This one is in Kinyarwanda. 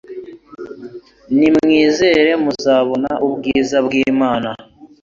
Nimwizere muzabona ubwiza bw'Imana.